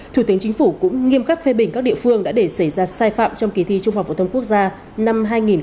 thủ tướng chính phủ cũng nghiêm khắc phê bình các địa phương đã để xảy ra sai phạm trong kỳ thi trung học phổ thông quốc gia năm hai nghìn một mươi chín